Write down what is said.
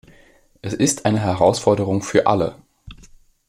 Es ist eine Herausforderung für alle.